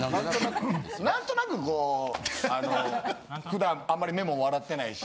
何となくこうあの普段あんまり目も笑ってないし。